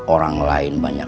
orang lain banyak